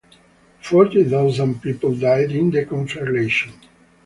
Forty thousand people died in the conflagration.